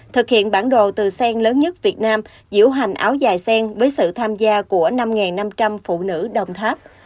thực hiện bản đồ từ sen lớn nhất việt nam diễu hành áo dài sen với sự tham gia của năm năm trăm linh phụ nữ đồng tháp